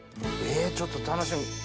えちょっと楽しみ。